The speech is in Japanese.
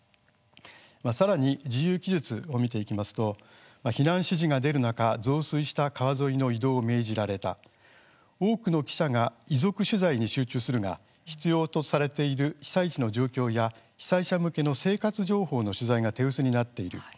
さらに自由記述を見ていきますと避難指示が出る中、増水した川沿いの移動を命じられた多くの記者が遺族取材に集中するが必要とされているのは被災地の状況や被災者向けの生活情報の取材が手薄になっている。